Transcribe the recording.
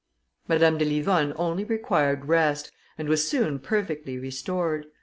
Madame de Livonne only required rest, and was soon perfectly restored. M.